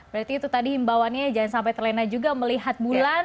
berarti itu tadi himbawannya jangan sampai terlena juga melihat bulan